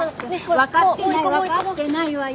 分かってない分かってないわよ。